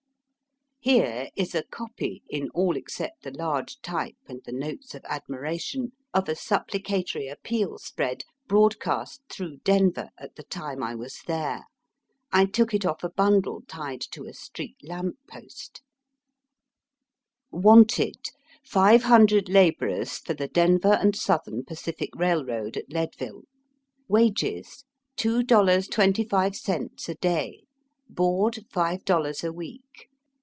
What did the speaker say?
Here is a copy, in all except the large type and the notes of admiration, of a supplicatory appeal spread broadcast through Denver at the time I was there. I took it off a bundle tied to a street lamp post :—Wanted, five hundred labourers for the Denver and Southern Pacific Kailroad at Leadville. Wages, two dollars twenty five cents a day ; board, five dollars a week.